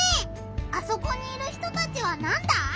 あそこにいる人たちはなんだ？